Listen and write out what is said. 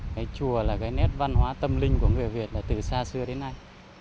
cái chùa là cái nét văn hóa tâm linh của người việt là từ xa xưa đến nay